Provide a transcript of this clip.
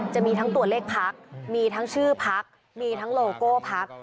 จะมีทั้งตัวเลขพักมีทั้งชื่อพักมีทั้งโลโก้พัก